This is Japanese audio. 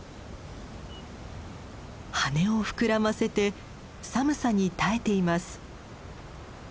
羽を膨らませて寒さに耐えています。